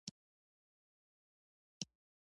افغانستان د ټولو ګډ کور دی